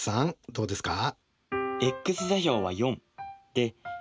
どうですか？